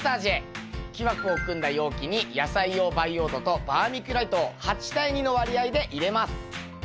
木枠を組んだ容器に野菜用培養土とバーミキュライトを８対２の割合で入れます。